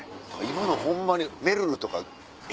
今のホンマにめるるとか。